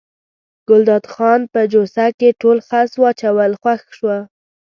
ګلداد خان په جوسه کې ټول خس واچول خوښ شو.